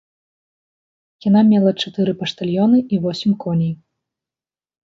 Яна мела чатыры паштальёны і восем коней.